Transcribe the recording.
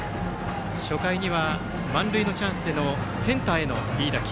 初回には満塁のチャンスでのセンターへのいい打球。